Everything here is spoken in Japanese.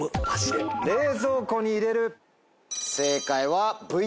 「冷蔵庫に入れる」。